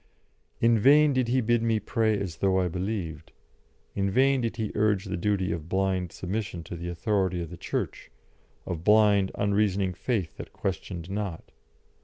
In vain did he bid me pray as though I believed; in vain did he urge the duty of blind submission to the authority of the Church, of blind, unreasoning faith that questioned not.